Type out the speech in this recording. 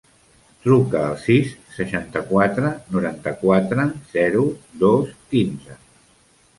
Truca al sis, seixanta-quatre, noranta-quatre, zero, dos, quinze.